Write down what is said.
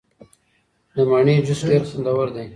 د مڼې جوس ډیر خوندور دی.